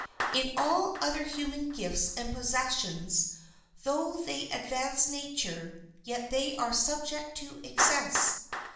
In all other human gifts and possessions, though they advance nature, yet they are subject to excess.